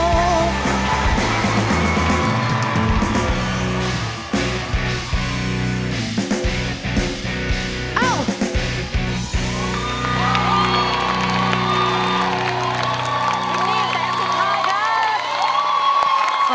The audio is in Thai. นี่แหละสุดท้ายครับ